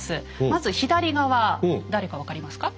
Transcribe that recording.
まず左側誰か分かりますか？